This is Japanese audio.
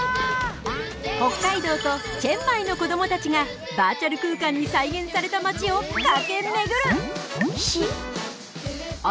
北海道とチェンマイの子どもたちがバーチャル空間に再現されたまちを駆け巡る！